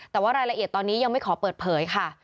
แต่ว่ารายละเอียดตอนนี้ยังไม่ขอเปิดเผยค่ะ